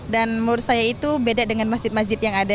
dan menurut saya itu beda dengan masjid masjid yang ada